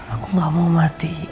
aku gak mau mati